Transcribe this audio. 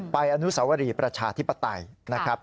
อนุสวรีประชาธิปไตยนะครับ